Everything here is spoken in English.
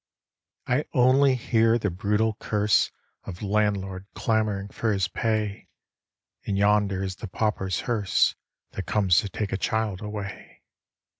I only hear the brutal curse Of landlord clamouring for his pay; And yonder is the pauper's hearse That comes to take a child away.